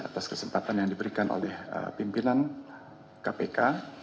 atas kesempatan yang diberikan oleh pimpinan kpk